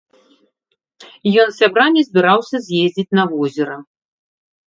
Ён з сябрамі збіраўся з'ездзіць на возера.